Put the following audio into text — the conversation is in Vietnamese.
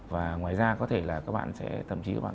và ngoài ra có thể là các bạn